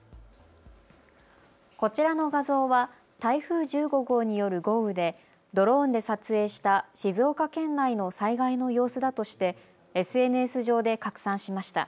こちらの画像は台風１５号による豪雨でドローンで撮影した静岡県内の災害の様子だとしてＳＮＳ上で拡散しました。